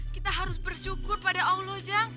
kita harus bersyukur pada allah jang